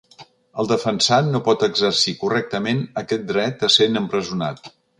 El defensat no pot exercir correctament aquest dret essent empresonat.